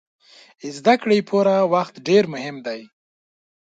د زده کړې لپاره وخت ډېر مهم دی.